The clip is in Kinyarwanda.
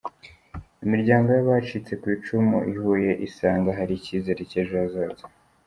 Imiryango yabacitse kwicumu ihuye isanga hari icyizere cy’ejo hazaza